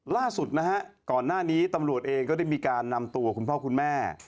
ล่าสุดนะฮะก่อนหน้านี้ตำรวจเองก็ได้มีการนำตัวคุณพ่อคุณแม่